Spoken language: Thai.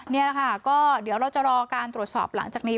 นี่แหละค่ะก็เดี๋ยวเราจะรอการตรวจสอบหลังจากนี้